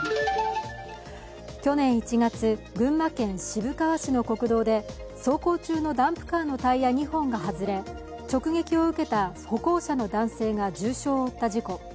去年１月、群馬県渋川市の国道で走行中のダンプカーのタイヤ２本が外れ直撃を受けた歩行者の男性が重傷を負った事故。